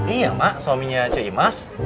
iya mak suaminya aja imas